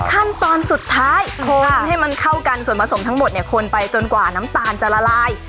ขั้นตอนสุดท้ายคนให้มันเข้ากันส่วนผสมทั้งหมดเนี่ยคนไปจนกว่าน้ำตาลจะละลาย